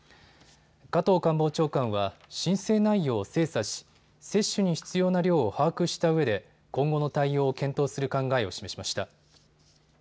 加藤官房長官は申請内容を精査し接種に必要な量を把握したうえで今後の対応を検討する考えを示しました。